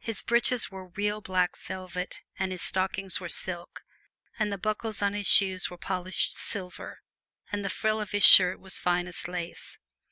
His breeches were real black velvet and his stockings were silk, and the buckles on his shoes were polished silver and the frill of his shirt was finest lace.